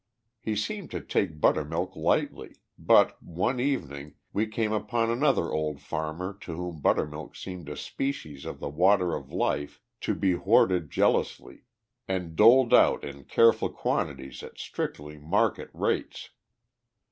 He seemed to take buttermilk lightly; but, one evening, we came upon another old farmer to whom buttermilk seemed a species of the water of life to be hoarded jealously and doled out in careful quantities at strictly market rates.